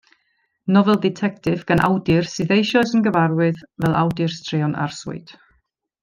Nofel dditectif gan awdur sydd eisoes yn gyfarwydd fel awdur straeon arswyd.